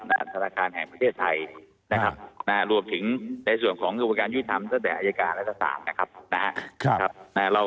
นะฮะสารการแห่งประเทศไทยนะครับนะฮะ